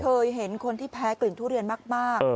เคยเห็นคนที่แพ้กลิ่นทุเรียนมาก